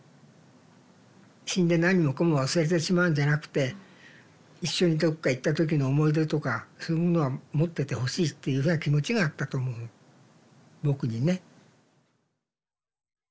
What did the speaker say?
死んで何もかも忘れてしまうんじゃなくて一緒にどっか行った時の思い出とかそういうものは持っててほしいっていうような気持ちがあったと思うの「ぼく」にね。